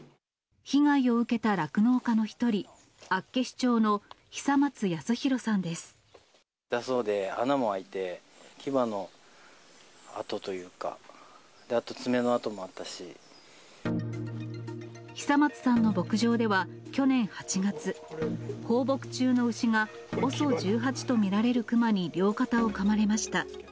被害を受けた酪農家の一人、痛そうで、穴も開いて、牙のあとというか、久松さんの牧場では去年８月、放牧中の牛がＯＳＯ１８と見られるクマに両肩をかまれました。